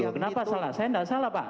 kenapa salah saya tidak salah pak